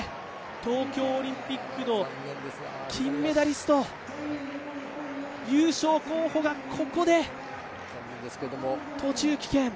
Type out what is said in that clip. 東京オリンピックの金メダリスト優勝候補がここで途中棄権。